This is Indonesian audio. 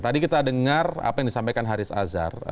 tadi kita dengar apa yang disampaikan haris azhar